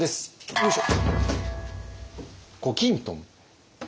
よいしょ！